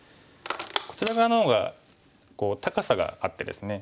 こちら側の方が高さがあってですね